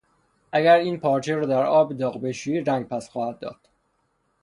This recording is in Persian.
اگر این پارچه را در آب داغ بشویی رنگ پس خواهد داد.